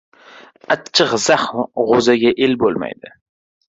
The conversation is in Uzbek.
Achchig‘ zax g‘o‘zaga el bo‘lmaydi.